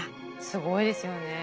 すごいですよね。